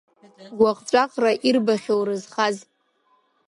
Гәаҟ-ҵәаҟра ирбахьоу рызхаз.